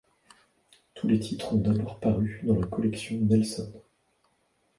Tous les titres ont d'abord paru dans la Collection Nelson.